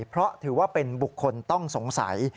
เพราะถือว่าเป็นบุคคลต้องสงสัย